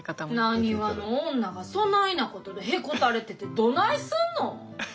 なにわの女がそないなことでへこたれててどないすんの。